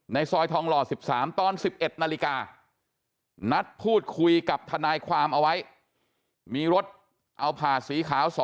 ซอยทองหล่อ๑๓ตอน๑๑นาฬิกานัดพูดคุยกับทนายความเอาไว้มีรถเอาผ่าสีขาว๒